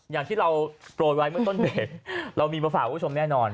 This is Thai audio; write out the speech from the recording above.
อย่างที่เราโปรยไว้เมื่อต้นเบรกเรามีมาฝากคุณผู้ชมแน่นอน